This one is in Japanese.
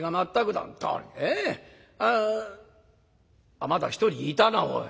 あまだ１人いたなおい。